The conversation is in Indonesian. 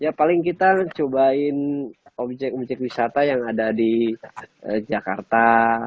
ya paling kita cobain objek objek wisata yang ada di jakarta